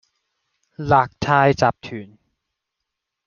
勒泰集團